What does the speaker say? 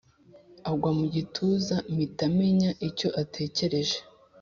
angwa mu gituza mpita menya icyo atekereje.